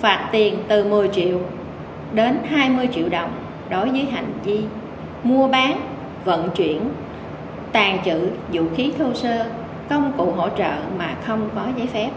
phạt tiền từ một mươi triệu đến hai mươi triệu đồng đối với hành vi mua bán vận chuyển tàn trữ vũ khí thô sơ công cụ hỗ trợ mà không có giấy phép